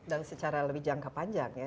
dan secara lebih jangka panjang ya